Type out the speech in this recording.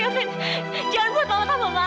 kevin jangan buat mama tante marah